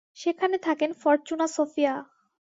সেখানে থাকেন ফরচুনা সোফিয়া।